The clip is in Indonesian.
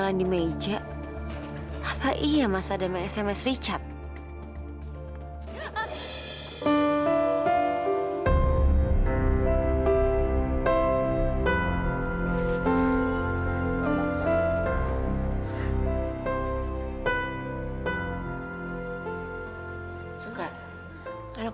sampai jumpa di video selanjutnya